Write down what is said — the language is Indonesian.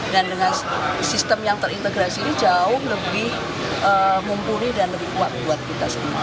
dan dengan sistem yang terintegrasi ini jauh lebih mumpuni dan lebih kuat buat kita semua